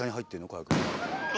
火薬。